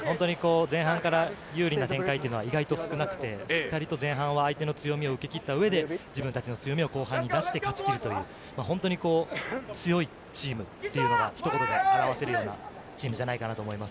前半から有利な展開というのは意外と少なくて、しっかりと前半は相手の強みを受けきった上で自分たちの強みを後半に出して勝ち切るという、本当に強いチームっていうのがひと言で表せるようなチームじゃないかなと思います。